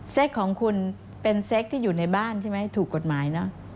ของคุณเป็นเซ็กที่อยู่ในบ้านใช่ไหมถูกกฎหมายเนอะ